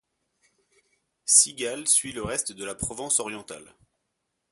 Sigale suit le reste de la Provence orientale.